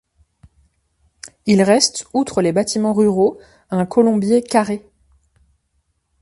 Il reste outre les bâtiments ruraux un colombier carré.